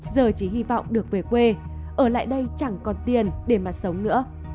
giờ chỉ hy vọng được về quê ở lại đây chẳng còn tiền để mà sống nữa